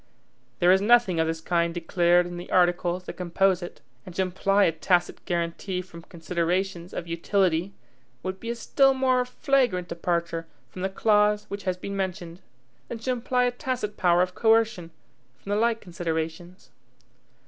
There is nothing of this kind declared in the articles that compose it; and to imply a tacit guaranty from considerations of utility, would be a still more flagrant departure from the clause which has been mentioned, than to imply a tacit power of coercion from the like considerations.